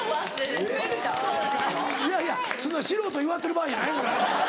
いやいやそんな素人祝ってる場合やないからな。